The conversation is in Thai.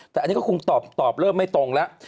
แต่อันนี้ก็คงตอบเริ่มไม่ตรงแล้ว